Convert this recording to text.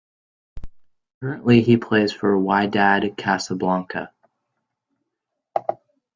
Currently he plays for Wydad Casablanca.